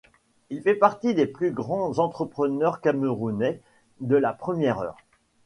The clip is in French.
Il fait partie des plus grands entrepreneurs camerounais de la première heure.